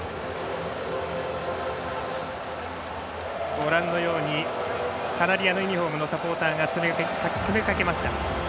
ご覧のようにカナリアのユニフォームのサポーターが詰め掛けました。